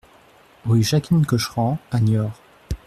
Rue Jacqueline Cochran à Niort